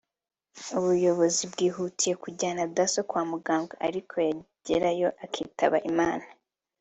ubuyobozi bwihutiye kujyana Dasso kwa muganga ariko yagerayo akitaba Imana